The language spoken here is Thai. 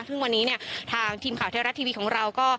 ซึ่งวันนี้เนี่ยทางทีมข่าวเทวรัฐทีวีของเราก็